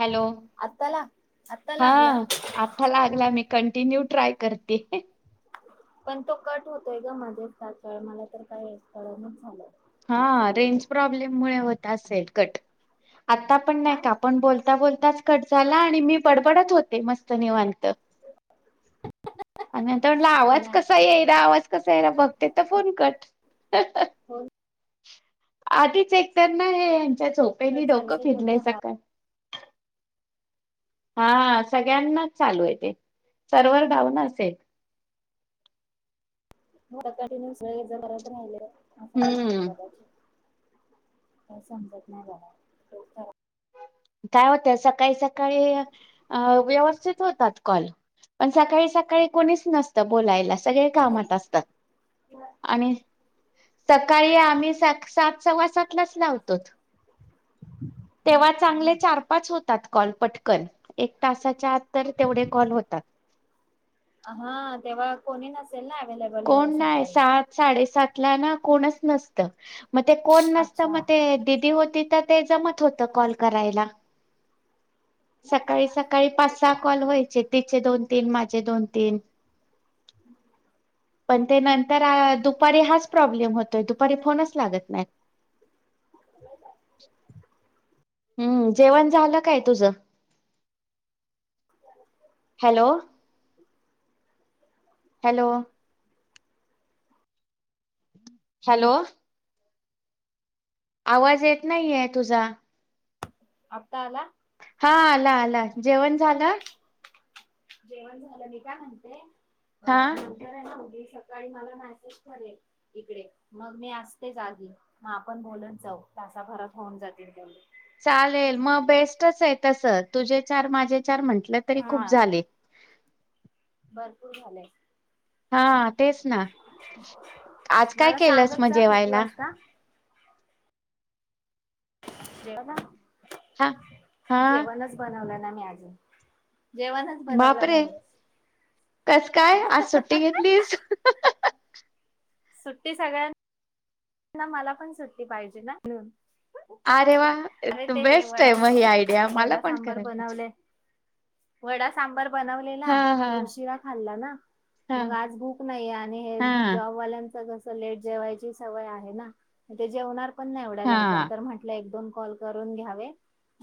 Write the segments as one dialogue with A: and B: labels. A: Hello
B: आता ला आता
A: हा
B: लागला
A: आत्ता लागलाय मी कंटिन्यू ट्राय करते ह्या.
B: पण तो कट होतोय ग माझं तर काय मला तर काही कळणच झालं. काय
A: हा
B: चाललंय ते
A: रेंज प्रॉब्लेम मुळे होत आसेल. कट. आत्ता आत्ता पण नाही
B: काय
A: का
B: माहित
A: आपण बोलता बोलताच कट झाला आणि मी बडबडत होत ते मस् त निवांत आणि आता म्हटल आवाज
B: नाही
A: कसा यायला आवाज कसा यायला बघते तर फोन कट हं हा.
B: फोन
A: आधीच एक तर ना हे त्या झोपेमी
B: कट
A: डोकं
B: झाल्याचे होते
A: फिरलय
B: का
A: सका हा हा सगळ्यांनाच चालू आहे ते सर्वर डाऊन असेल. [inaudible]
B: म आता तुम्ही. जर ये जा करत राहिल्या.
A: हम्म
B: [unintelligible] काय समजत नाही बघा डोक्या
A: काय होत सकाळी सकाळी अ व्यवस्थित होतात कॉल पण सकाळी सकाळी कोणीच नसतं बोलायला. सगळे
B: खराब
A: कामात
B: घरी
A: असतात आणि सकाळी आम्ही सात सात सव्वा सात लाच लावतोत. तेव्हा र चांगले चार पाच होतात कॉल पटकन. एक तासाच्या आत तर तेवढे कॉल होतात.
B: आ हा तेव्हा कोणी नस
A: कोण नाही सात साडेसात. नाही ना कोणीच नसतं. म ते कोण नसतं म
B: अच्छा
A: ते दिदी हो तिथं ते जमत होत कॉल करायला. सकाळी सकाळी पाच सहा कॉल व्हायचे ते. चे दोन तीन माझे दोन तीन
B: [inaudible]
A: पण ते नंतर आ दुपारी हाच प्रॉब्लेम होतोय दुपारी फोनच लागत नाही. हम्म जेवण झालं काय तुझ?
B: [inaudible]
A: हॅलो. हॅलो. हॅलो. आवाज येत नाहीये तुझा.
B: आत्ता आला?
A: हा आला आला जेवण झाल?
B: जेवण झालं मी काय म्हणते, अ
A: हा.
B: नंतर आहे ना सकाळी मला मेसेज ठरेल इकडे मग मी असते जागी मग आपण बोलून जाऊ तासाभरात होऊन जातील तेवढ
A: चालेल मग बेस्टच आहे तस तुझे चार माझे चार म्हटलं तरी
B: हा
A: खूप झाले.
B: भरपूर झालंय.
A: हा तेच ना आज काय
B: मला
A: केलंस
B: सांगत
A: मग
B: जा किती
A: जेवायला
B: वाजता [unintelligible] जेव
A: हा हा
B: जेवणच बनवला [unintelligible] मी आज
A: बापरे कस काय आज सुट्टी घेतलीस. [inaudible]
B: सुट्टी सगळ्या ना मला पण सुट्टी पाहिजे ना म्हणून,
A: अरे वा
B: अरे ते हे
A: बेस्ट
B: वडा
A: आहे मग ही आयडिया मला
B: वडा
A: पण
B: सांबार
A: करायला पाहिजे.
B: बनवले वडा सांबार बनवलेला
A: हा हा
B: तर उशिरा खाल्ला ना
A: हा
B: मग आज भूक नाहीे आणि हे
A: हा
B: जॉबवाल्यांच कस लेट जेवायची सवय आहे ना ते जेवणार पण नाही एवढ्या लवकर
A: हा
B: तर म्हटलं एक दोन कॉल करून घ्यावे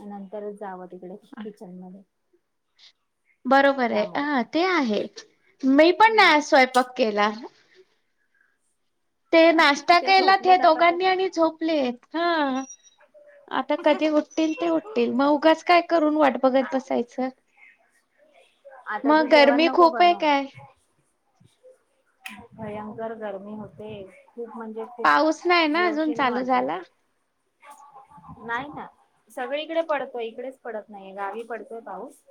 B: नंतरच जावं तिकडे किचन मध्ये,
A: बरोबर आहे
B: त्यामुळे
A: अ ते आहे. मी पण नाही आज स्वयंपाक केला. ते
B: हा
A: नाश्ता केला ते हे
B: झोपलेत आता तर
A: दोघांनी आणि झोपलेत, हा आता कधी उठतील ते उठतील मग उगच काय करू. [unintelligible] बघत बसायच
B: आता तू
A: मग
B: जेवण
A: गरमी
B: नको
A: खूप आहे
B: बनव
A: काय?
B: भयंकर गरमी होते. खूप म्हणजे खूप
A: पाऊस नाही ना अजून
B: जेवशी नाही
A: चालू झाला.
B: वाटत नाही ना सगळीकडे पडतो इकडेच पडत नाही नाही गावी पडतोय पाऊस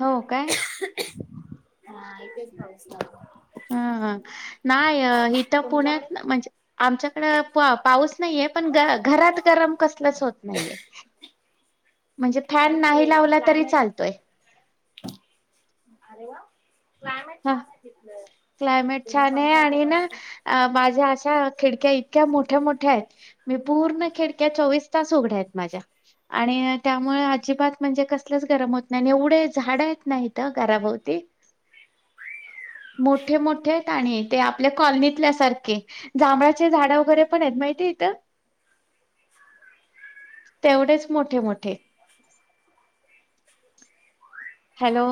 A: हो काय
B: हा येथेच पाऊस
A: हम हा नाही हिथं पुण्यात
B: तुमच्याकडे
A: ना म्हणजे आमच्याकड पाऊस नाहीये पण घरात गरम कसलच होत नाहीये. म्हणजे फॅन
B: अरे
A: नाही
B: ते
A: लावला तरी
B: क्लायमेट
A: चालतोय
B: अरे वा क्लायमेट
A: हा
B: छान आहे तिथलं
A: क्लायमेट
B: बिना
A: छान आहे
B: पंख्याचं
A: आणि ना
B: बसतो
A: माझ्या अशा खिडक्या इतक्या मोठ्या मोठ्या आहेत मी पूर्ण खिडक्या चोवीस तास उघड्या आहेत माझ्या आणि त्यामुळे अजिबात म्हणजे कसलेच गरम होत नाही एवढे झाड आहेत ना हीत घराभोवती मोठे मोठे आहेत आणि ते आपल्या कॉलनीतल्या सारखे जांभळाचे झाड वगैरे पण आहेत माहिती इथ तेवढेच मोठे मोठे हॅलो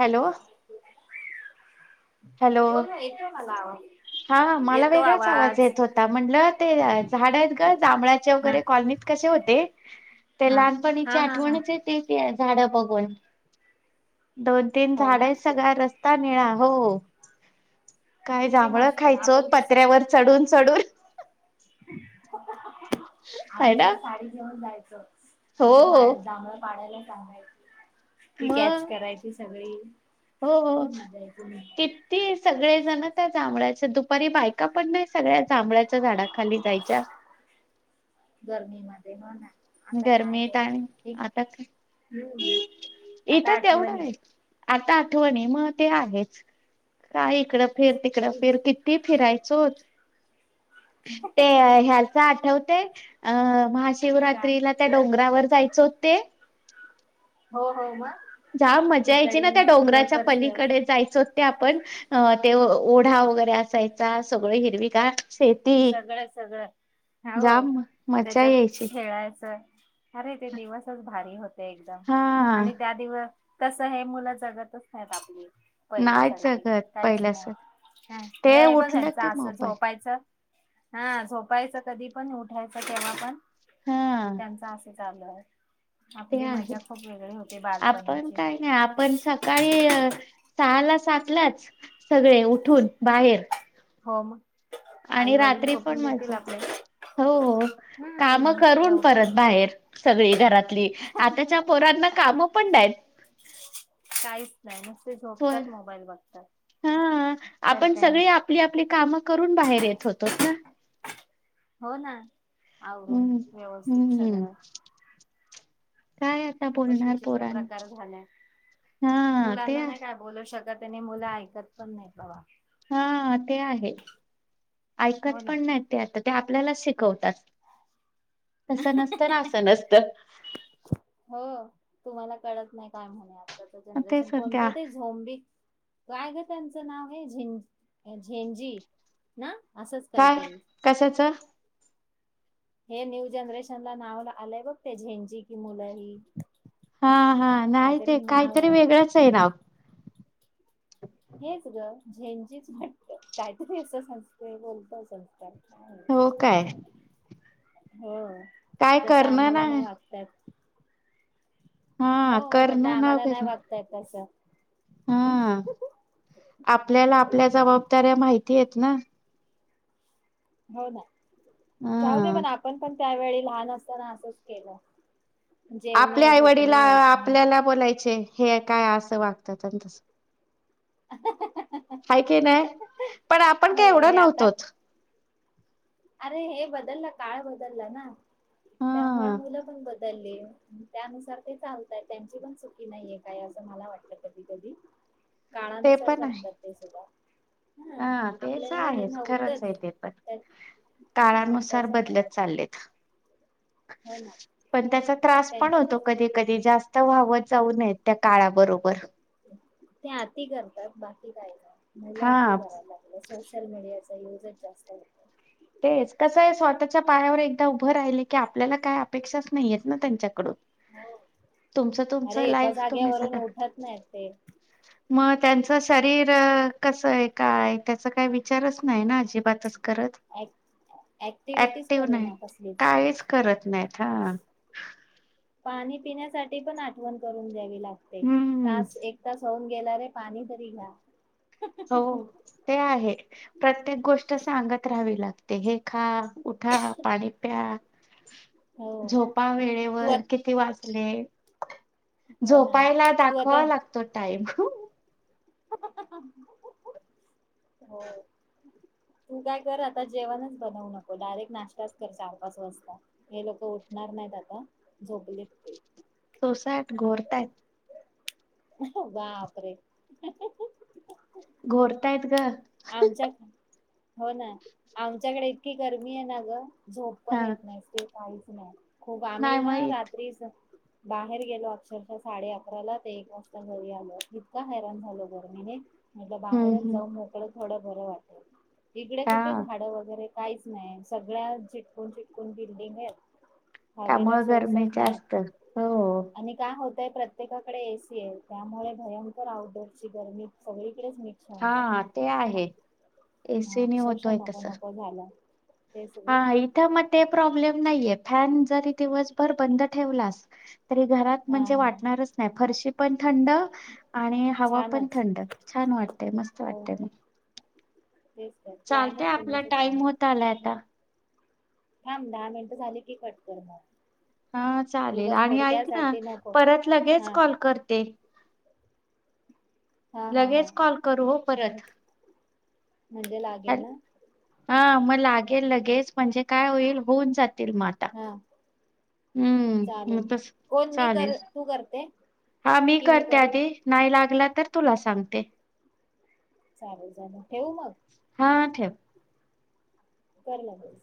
A: हॅलो हॅलो
B: बोल ना येतोय मला आवाज
A: हा मला वेगळाच आवाज येत होता म्हंटलं ते झाड आहेत ग जांभळाचे
B: हा
A: वगैरे कॉलनीत कसे होते ते
B: हा
A: लहानपणीची
B: हा हा हा
A: आठवणच ते पी झाडं बघून दोन तीन
B: हो ना
A: झाडे सगळा रस्ता निळा हो काय
B: किती
A: जांभळ
B: मस्त आहे आपण
A: खायचं
B: कसं
A: पत्र्यावर चढून चढून
B: [inaudible]
A: आहे
B: आम्ही
A: ना
B: तर साडी घेऊन जायचो स अर
A: हो.
B: भाड जांभळ पाडायला [unintelligible] ती
A: मग
B: कॅच करायची सगळी
A: हो
B: खूप मजा यायची
A: किती सगळेजण त्या जांभ्याच्या दुपारी बायका पण नाही सगळ्या जांभळच्या झाडा खाली जायच्या
B: ते म ना आता काय
A: गरमी
B: ग
A: येत आणि
B: एक
A: आता काय
B: हम्म आता
A: इथे तेवढं
B: आठवणी
A: आहे आता आठवणी मग ते आहेच काय इकडं फिर तिकड
B: एक
A: फिर किती फिरायचो ते ह्याच आठवते अ महाशिव
B: का
A: रात्रीला त्या डोंगरावर जायचं ते?
B: हो हो मग.
A: ज्याम मजा यायची ना,
B: खिचडी
A: त्या डोंगराच्या
B: वेफर्स
A: पलीकडे जायचं. ते आपण ते ओढा वगैरे असायचा सगळं हिरवी गार
B: सगळं सगळं हो हो
A: जाम मजा
B: त्याच्यात
A: यायची
B: खेळायचं. अरे ते दिवसच भारी होती. एकदम
A: हा
B: आणि त्या दिवस तस हे मुलं जगतच नाही आपली.
A: नाहीच
B: पहिल्यासारखी
A: जगत
B: काहीच
A: पहिल्यास
B: नाही.
A: ते
B: हे बघ
A: उठलं
B: ह्याचं
A: की
B: असं
A: मोबाईल
B: झोपायच हा झोपायचं कधी पण, उठायचं केव्हा पण.
A: हा
B: त्यांच असे चालू आहे.
A: ते
B: आपली
A: आहे.
B: मजा खूप वेगळी होती
A: आपण
B: बालपणीची
A: काय नाही आपण सकाळी सहाला, सातलाच सगळे उठून बाहेर.
B: हो मग.
A: आणि
B: आई वडील
A: रात्री पण
B: झोपून देतील
A: मज्जा.
B: आपले
A: हो काम
B: हम्म
A: करून
B: लवकर
A: परत
B: झोप
A: बाहेर सगळी घरातली. आताच्या पोरांना काम पण नाहीत.
B: काहीच नाही नुसते
A: होय.
B: झोपतात मोबाईल बघतात.
A: हा
B: तर
A: आपण
B: काय
A: सगळे आपली आपली काम करून बाहेर येत होतोत ना.
B: हो ना. आवरून
A: हम्म
B: व्यवस्थित
A: हम्म
B: सगळं.
A: काय आता
B: खूपच
A: बोलणार
B: विचित्र
A: पोरांना
B: प्रकार झालाय.
A: हा ते
B: मुलांना नाही काय बोलू शक त त्याने मुलं ऐकत पण नाहीत बाबा.
A: हा ते आहे.
B: हो
A: ऐकत
B: ना.
A: पण नाही ते आता. ते आपल्याला शिकवतात. तस नसतं ना असं नसत.
B: हो तुम्हाला कळत नाही काय म्हने. आ
A: ते
B: जनरेशन
A: सध्या
B: कोणतं ते झोंबिक काय गं त्यांचं नाव आहे. झें झेंजी ना? असंच
A: काय,
B: काहीतरी
A: कशाच?
B: हे न्यू जनरेशन ला नावला आलंय बघ ते झेंजी कि मुलंही.
A: हा, हा नाही ते
B: नाव
A: काहीतरी
B: आहे.
A: वेगळंच आहे नाव.
B: हेच ग झेंजीच वाटतंय काहीतरी असं [unintelligible] बोलतो संस्कार
A: हो काय?
B: होय.
A: काय
B: जस
A: करणं ना
B: आम्हाला नाही वागतायेत. हो
A: हा
B: म्हटलं
A: करणं नाव
B: आम्हाला नाही
A: घेतलं
B: वागता येत तसं.
A: हा आपल्याला आपल्या जबाबदाऱ्या माहिती येत ना
B: हो, ना. जाऊ दे
A: हा
B: पण आपण पण त्यावेळी लहान असताना असंच केलं
A: आपल्या
B: जेवणे
A: आईवडीला
B: झोपणे उठणे
A: आपल्याला बोलायचे हे काय असं वागतात आणि तसं
B: [inaudible]
A: हाय की नाही? पण आपण काय
B: हो
A: एवढं
B: आणि आता
A: नव्हतोच.
B: अरे हे बदललं काळ बदलला ना त्यामुळे
A: हा
B: मुलं पण बद चालले त्यानुसार ते चालतय त्यांची पण चुकी नाहीये काय असं मला वाटलं कधी कधी.
A: ते
B: काळानुसार
A: पण आहे
B: करतात ते सुद्धा.
A: हा
B: आपल्या
A: तेच
B: वेळी हे
A: आहेच खरंच
B: नव्हतंच
A: आहे ते पण.
B: त्या
A: काळानुसार
B: त्याच्यामुळे
A: बदलत चाललेत‌.
B: हो ना
A: पण त्याचा त्रास पण
B: त्यांची
A: होतो कधी कधी. जास्त वाहवत जाऊ नयेत त्या काळाबरोबर.
B: ते अती करतात बाकी काय नाही. मुलं
A: हा
B: अती करायला लागलं सोशल मीडिया आता युजच जास्त आहे ते
A: तेच कसं आहे स्वतःच्या पायावर एकदा उभं राहिले की आपल्याला काय अपेक्षाच नाहीयेत ना त्यांच्याकडून.
B: हो
A: तुमचं तुमचं
B: अरे एका
A: लाईफ तुम्ही
B: जाग्यावरून
A: सगळं
B: उठत नाहीत ते.
A: मग त्यांचं शरीर कसं आहे, काय त्याचा काही विचारच नाही ना अजिबातच करत.
B: ऍक ऍक्टिव्हिटीच
A: ऍक्टिव नाही
B: करेना कसलीच.
A: काहीच करत नाहीत हा.
B: पाणी पिण्यासाठी पण आठवण करून द्यावी लागते
A: हम्म
B: तास एक तास होऊन गेला रे पाणी तरी घ्या
A: हो ते आहे प्रत्येक गोष्ट सांगत राहावी लागते हे खा उठा पाणी प्या
B: हो
A: झोपा
B: तू आ
A: वेळेवर किती वाचले
B: हो ना
A: झोपायला
B: तू आता
A: दाखवा लागतो टाईम
B: [unintelligible] हो तू काय कर आता जेवणच बनवू नको डायरेक्ट नाश्ताच कर चार पाच वाजता हे लोक उठणार नाहीत आता झोपलेत ते
A: सोसाट घोरतायत
B: वापरे
A: घोरतायत ग
B: आमच्या हो ना आमच्याकडे इतकी गर्मी आहे ना ग झोप पण
A: हा
B: येत नाही ते काही [unintelligible] खूप आम्ही
A: नाही
B: ना
A: माहित
B: रात्रीच बाहेर गेलो अक्षरशः साडे अकराला ते एक वाजता घरी आलो इतका हैरान झाल गरमीने म्हटलं
A: हम्म
B: बाहेरच
A: हम्म
B: जाऊन मोकळत थोडं बरं वाटल इकडे कुठे
A: हा
B: झाडं वगैरे काहीच नाही सगळया चिटकून चिटकून बिल्डिंग आहेत हवेला
A: त्यामुळ गरमी
B: सोर्सच
A: जास्त हो
B: ते प्रत्येकाकडे एसी आहे त्यामुळे भयंकर आउटडोअर ची गरमी सगळी तिकडेच मिक्स होऊन जातो
A: हे एसी ने होतोय कसा
B: नको झालं ते
A: ह
B: सगळं
A: इथ म ते प्रॉबलेम नाहीेये फॅन जरी दिवसभर बंद ठेवलास तरी घरात
B: हा
A: म्हणजे
B: हा
A: वाटणारच नाही फरशी पण थंड आणि हवा पण
B: छानच
A: थंड छान वाटते मस्त
B: हो
A: वाटते म.
B: तेच तर
A: चालतय
B: क्लायमेट
A: आपला
B: पुण्याचच
A: टाइम
B: आहे
A: होत आलाय आता
B: थांब दहा मिनटं झाली की कट कर मग
A: हा चालेल
B: उगच
A: आणि ऐक ना
B: थोडक्यासाठी नको
A: परत लगेच
B: हा
A: कॉल करते
B: हा हा हा
A: लगेच कॉल करू ओ परत
B: म्हणजे लागेल ना?
A: हा म‍ लागेल लगेच म्हणजे काय होईल होऊन जात तिरमाता
B: हा
A: हम्म म
B: चालेल
A: तस
B: कोण मी
A: चालेल
B: कर तू करते
A: हा मी
B: की
A: करते
B: करू
A: आधी नाही लागला तर तुला सांगते.
B: चालेल जणू ठेऊ मग?
A: हां ठेव.
B: कर लगेच